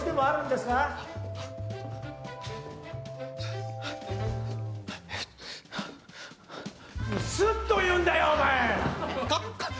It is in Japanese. すっと言うんだよ、おまえ。